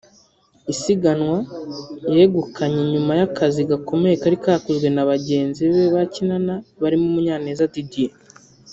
isiganwa yegukanye nyuma y’akazi gakomeye kari kakozwe na bagenzi be bakinana barimo Munyaneza Didier